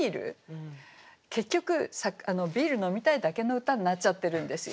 結局ビール飲みたいだけの歌になっちゃってるんですよ。